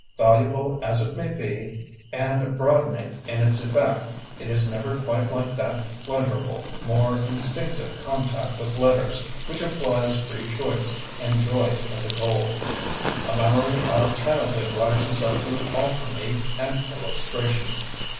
Valuable as it may be, ^d broadening in its effect, it is never quite like that pleasurable, more instinctive contact with letters which implies free choice, and joy as a goal. A memory out of childhood rises up to offer me an il lustration.